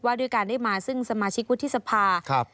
ด้วยการได้มาซึ่งสมาชิกวุฒิสภาครับ